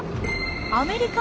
アメリカ？